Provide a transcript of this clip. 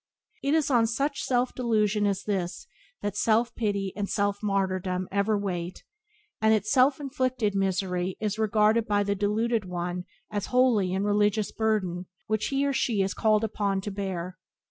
It is on such self delusion as this that self pity and self martyrdom ever wait, and its self inflicted misery is regarded by the deluded one as a holy and religious burden which he or she is called upon to bear.